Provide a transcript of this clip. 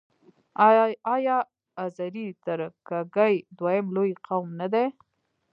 آیا آذری ترکګي دویم لوی قوم نه دی؟